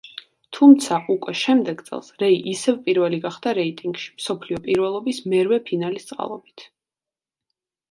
თუმცა, უკვე შემდეგ წელს რეი ისევ პირველი გახდა რეიტინგში, მსოფლიო პირველობის მერვე ფინალის წყალობით.